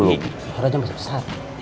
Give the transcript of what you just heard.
harusnya jangan besar besar